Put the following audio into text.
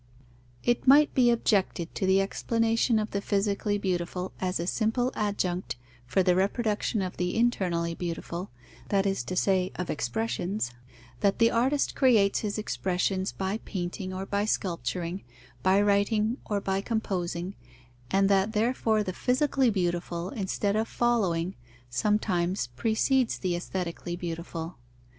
_ It might be objected to the explanation of the physically beautiful as a simple adjunct for the reproduction of the internally beautiful, that is to say, of expressions, that the artist creates his expressions by painting or by sculpturing, by writing or by composing, and that therefore the physically beautiful, instead of following, sometimes precedes the aesthetically beautiful.